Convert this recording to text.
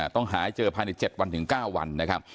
ต้องหาให้เจอภายใน๗วันถึง๙วันนะครับ